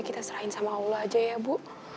kita serahin sama allah aja ya bu